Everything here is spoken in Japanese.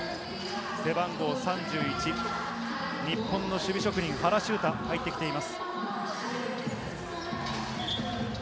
背番号３１、日本の守備職人・原修太が入ってきています。